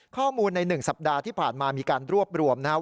ข้อมูลใน๑สัปดาห์ที่ผ่านมามีการรวบรวมนะครับ